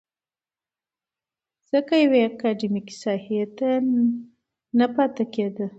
ځکه يوې اکادميکې ساحې ته نه پاتې کېده.